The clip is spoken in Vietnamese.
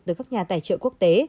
từ các nhà tài trợ quốc tế